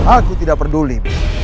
aku tidak peduli